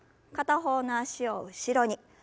片方の脚を後ろに。